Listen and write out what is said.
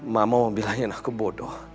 mama bilangin aku bodoh